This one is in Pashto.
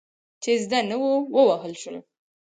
چې زده نه وو، ووهل شول.